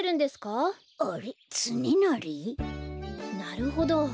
なるほど。